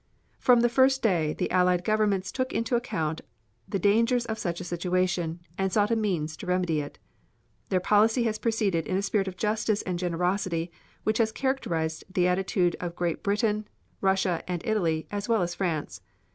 From the first day, the Allied governments took into account the dangers of such a situation, and sought a means to remedy it. Their policy has proceeded in a spirit of justice and generosity which has characterized the attitude of Great Britain, Russia and Italy as well as France.